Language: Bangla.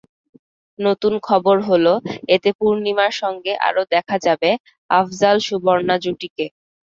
নতুন খবর হলো, এতে পূর্ণিমার সঙ্গে আরও দেখা যাবে আফজাল-সুবর্ণা জুটিকে।